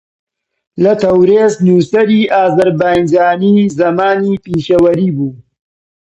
لە تەورێز نووسەری ئازەربایجانی زەمانی پیشەوەری بوو